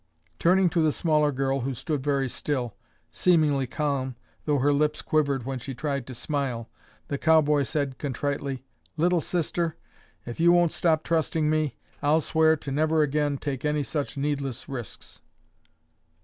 Turning to the smaller girl who stood very still; seemingly calm, though her lips quivered when she tried to smile, the cowboy said contritely, "Little Sister, if you won't stop trusting me, I'll swear to never again take any such needless risks."